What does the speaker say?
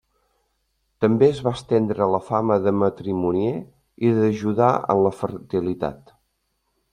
També es va estendre la fama de matrimonier i d'ajudar en la fertilitat.